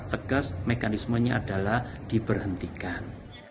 tegas mekanismenya adalah diberhentikan